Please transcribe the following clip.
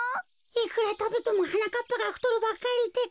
いくらたべてもはなかっぱがふとるばっかりってか。